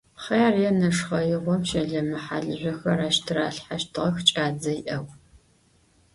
Хъяр е нэшхъэигъом щэлэмэ-хьалыжъохэр ащ тыралъхьащтыгъэх кӏадзэ иӏэу.